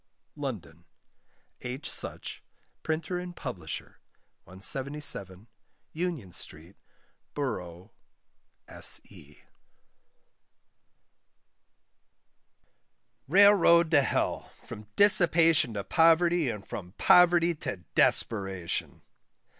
LONDON: H. Such, Printer and Publisher, 177, Union Street, Boro'. S.E. RAILROAD TO HELL, FROM DISSIPATION TO POVERTY, AND FROM POVERTY TO DESPERATION.